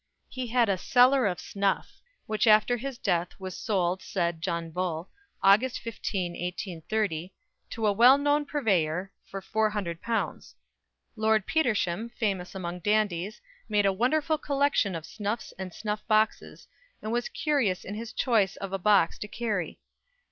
He had a "cellar of snuff," which after his death was sold, said John Bull, August 15, 1830, "to a well known purveyor, for £400." Lord Petersham, famous among dandies, made a wonderful collection of snuffs and snuff boxes, and was curious in his choice of a box to carry.